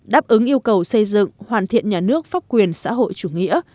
đáp ứng yêu cầu xây dựng hoàn thiện nhà nước pháp quyền xã hội chủ nghĩa